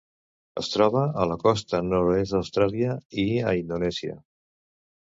Es troba a la costa nord-oest d'Austràlia i a Indonèsia.